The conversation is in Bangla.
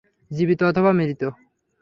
জীবিত অথবা মৃত।